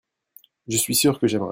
je suis sûr que j'aimerai.